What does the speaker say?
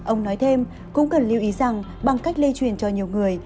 ông nói thêm cũng cần lưu ý rằng bằng cách lây truyền cho nhiều người